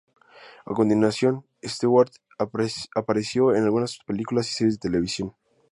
A continuación, Stewart apareció en algunas películas y series de televisión.